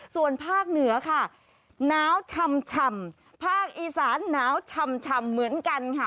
ส่วนภาคเหนือค่ะหนาวชำภาคอีสานหนาวชำเหมือนกันค่ะ